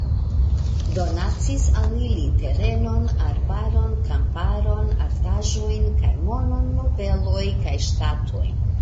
Donacis al ili terenon, arbaron, kamparon, artaĵojn kaj monon nobeloj kaj ŝtatoj.